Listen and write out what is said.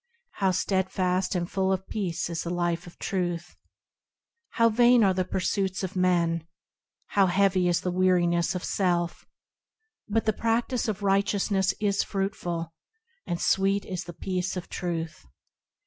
How steadfast and full of peace is the life of Truth! How vain are the pursuits of men! How heavy is the weariness of self ! But the practice of righteousness is fruitful. And sweet is the peace of Truth.